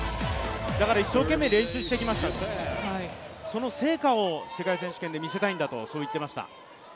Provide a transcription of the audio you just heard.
だから一生懸命練習してきました、その成果を世界選手権で見せたいんだと言っていました。